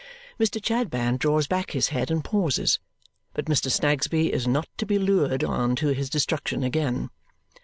Mr. Chadband draws back his head and pauses, but Mr. Snagsby is not to be lured on to his destruction again.